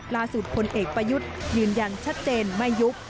ล่าสุดคนเอกประยุทธ์ยืนยันชัดเจนไม่ยุค